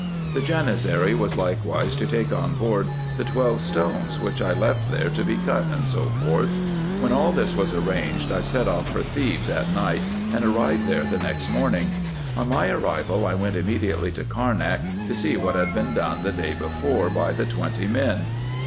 The Janizary was likewise to take on board the twelve stones which I left there to be cut, &c. When all this was arranged, I set off for Thebes at night, and arrived there the next morning. On my arrival, I went immediately to Carnak, to see what had been done the day before by the twenty men.